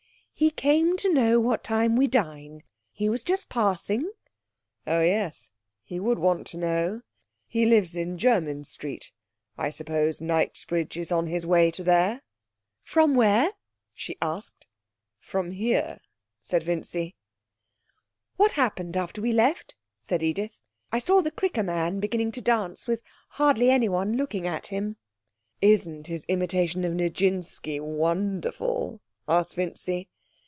'He came to know what time we dine. He was just passing.' 'Oh, yes. He would want to know. He lives in Jermyn Street. I suppose Knightsbridge is on his way to there.' 'From where?' she asked. 'From here,' said Vincy. 'What happened after we left?' said Edith. 'I saw the Cricker man beginning to dance with hardly anyone looking at him.' 'Isn't his imitation of Nijinsky wonderful?' asked Vincy.